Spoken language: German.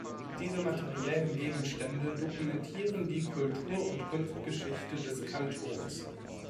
Diese materiellen Gegenstände dokumentieren die Kultur- und Kunstgeschichte des Kantons.